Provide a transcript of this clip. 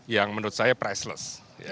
yang menurut saya priceless